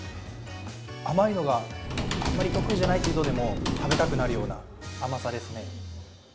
甘いのがあんまり得意じゃない人でも食べたくなるような甘さですね。